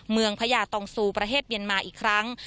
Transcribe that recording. เมืองพญาตรงสูประเทศเยียนมาอีกครั้ง